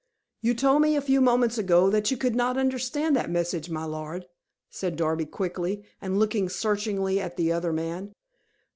"You told me a few moments ago, that you could not understand that message, my lord," said Darby quickly, and looking searchingly at the other man.